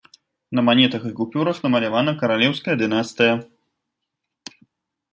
На манетах і купюрах намалявана каралеўская дынастыя.